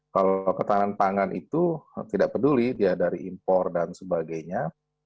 kalau ketahanan pangan itu tidak peduli dia dari impor dan sebagainya